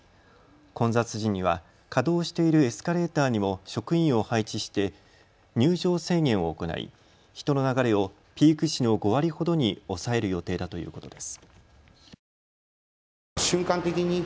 混雑時には稼働しているエスカレーターにも職員を配置して入場制限を行い人の流れをピーク時の５割ほどに抑える予定だということです。